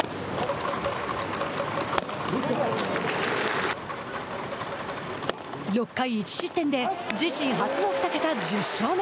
６回１失点で自身初の２桁１０勝目。